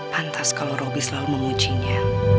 pantas kalau roby selalu memujinya